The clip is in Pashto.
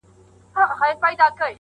که پنجشېر دی، که واخان دی، وطن زما دی،